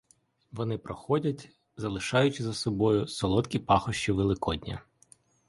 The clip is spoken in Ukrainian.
Вони проходять, лишаючи за собою солодкі пахощі великодня.